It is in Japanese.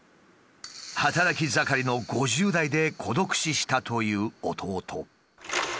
働き盛りの５０代で孤独死したという弟。